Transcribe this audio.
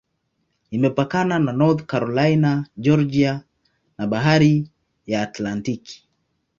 Imepakana na North Carolina, Georgia na Bahari ya Atlantiki.